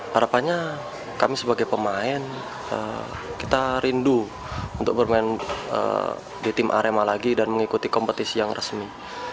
harapannya kami sebagai pemain kita rindu untuk bermain di tim arema lagi dan mengikuti kompetisi yang resmi